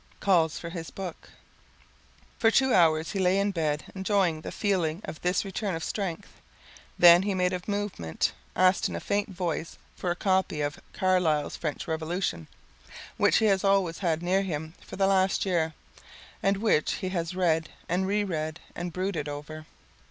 Calls for His Book For two hours he lay in bed enjoying the feeling of this return of strength. Then he made a movement asked in a faint voice for the copy of Carlyle's "French Revolution," which he has always had near him for the last year, and which he has read and re read and brooded over.